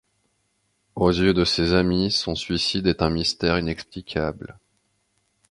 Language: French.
Aux yeux de ses amies, son suicide est un mystère inexplicable.